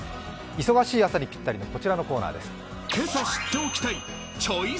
忙しい朝にぴったり、こちらのコーナーです。